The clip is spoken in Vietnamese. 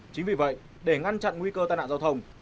chính vì vậy để ngăn chặn nguy cơ tai nạn giao thông